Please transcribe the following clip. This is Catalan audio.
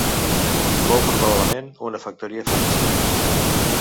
Fou probablement una factoria fenícia.